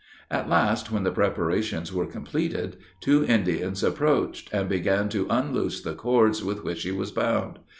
At last, when the preparations were completed, two Indians approached, and began to unloose the cords with which he was bound.